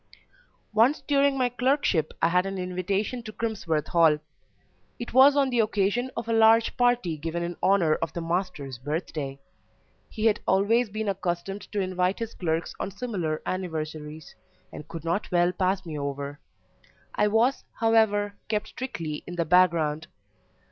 Once during my clerkship I had an invitation to Crimsworth Hall; it was on the occasion of a large party given in honour of the master's birthday; he had always been accustomed to invite his clerks on similar anniversaries, and could not well pass me over; I was, however, kept strictly in the background.